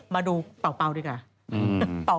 มาดูเป่าดีกว่า